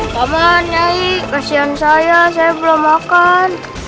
mama nyai kasihan saya saya belum makan